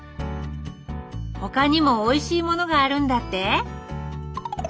他にもおいしいものがあるんだって？